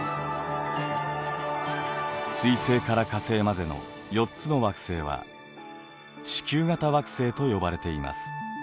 水星から火星までの４つの惑星は地球型惑星と呼ばれています。